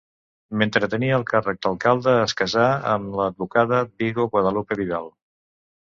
Mentre tenia el càrrec d'alcalde es casà amb l'advocada Vigo Guadalupe Vidal.